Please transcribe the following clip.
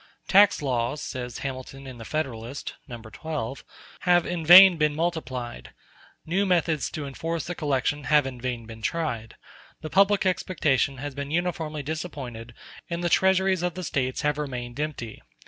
"Tax laws," says Hamilton in the "Federalist" (No. 12), "have in vain been multiplied; new methods to enforce the collection have in vain been tried; the public expectation has been uniformly disappointed and the treasuries of the States have remained empty.